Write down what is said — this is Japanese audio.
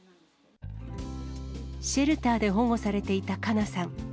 シェルターで保護されていたかなさん。